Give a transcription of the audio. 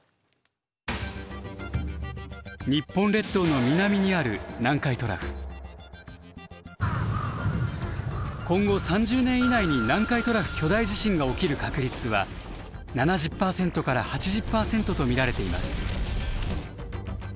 日本列島の南にある今後３０年以内に南海トラフ巨大地震が起きる確率は７０％から８０％と見られています。